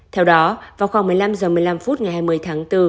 theo đó vào khoảng một mươi năm h một mươi năm phút ngày hai mươi tháng bốn